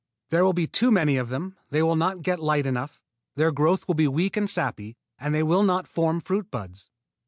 There will be too many of them, they will not get light enough, their growth will be weak and sappy, and they will not form fruit buds.